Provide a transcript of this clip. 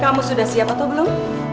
kamu sudah siap atau belum